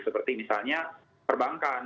seperti misalnya perbankan